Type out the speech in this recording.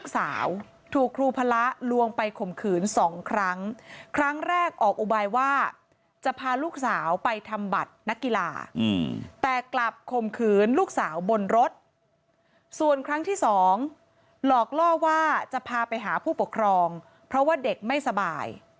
ส่วนครั้งที่๒หลอกล่อว่าจะพาไปหาผู้ปกครองเพราะว่าเด็กไม่สบาย